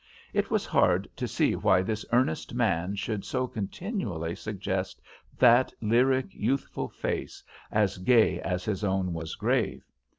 It was hard to see why this earnest man should so continually suggest that lyric, youthful face, as gay as his was grave.